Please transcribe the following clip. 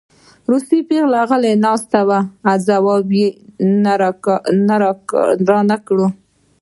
روسۍ پېغله غلې ناسته وه او ځواب یې رانکړ